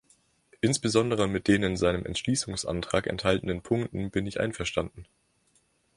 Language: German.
Insbesondere mit den in seinem Entschließungsantrag enthaltenene Punkten bin ich einverstanden.